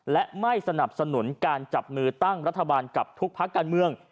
และไม่สนับสนุนการจับมือตั้งรัฐบาลกับทุกพักการเมือง